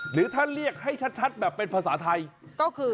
หรือถ้าเรียกให้ชัดแบบเป็นภาษาไทยก็คือ